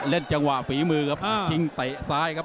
จังหวะฝีมือครับชิงเตะซ้ายครับ